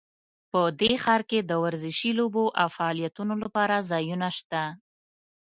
په دې ښار کې د ورزشي لوبو او فعالیتونو لپاره ځایونه شته